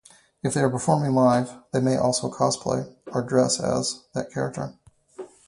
If they are performing live, they may also cosplay, or dress as, that character.